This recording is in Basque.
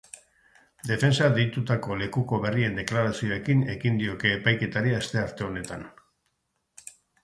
Defentsak deitutako lekuko berrien deklarazioekin ekin diote epaiketari astearte honetan.